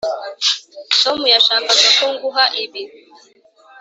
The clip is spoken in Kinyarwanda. tom yashakaga ko nguha ibi.